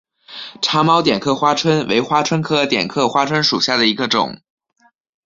长毛点刻花蝽为花蝽科点刻花椿属下的一个种。